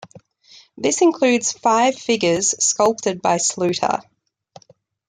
This includes five figures sculpted by Sluter.